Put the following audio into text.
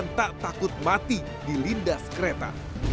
yang tak takut mati dilindas kereta